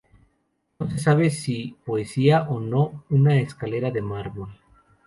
No se sabe si poseía o no una escalera de mármol.